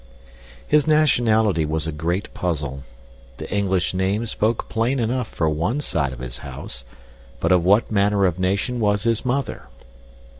His nationality was a great puzzle. The English name spoke plain enough for ONE side of his house, but of what manner of nation was his mother?